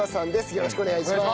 よろしくお願いします。